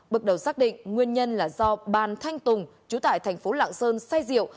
bước đầu xác định nguyên nhân là do bàn thanh tùng chú tại tp lạng sơn say diệu